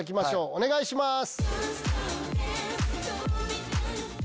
お願いします。